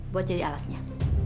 buat jadi alasnya